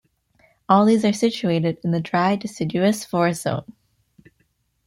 All these are situated in the dry deciduous forest zone.